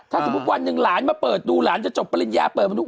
ถ้าสมมุติวันหนึ่งหลานมาเปิดดูหลานจะจบปริญญาเปิดมนุ